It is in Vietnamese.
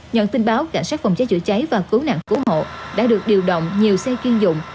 nhận tin báo cảnh sát phòng cháy chữa cháy và cứu nạn cứu hộ đã được điều động nhiều xe chuyên dụng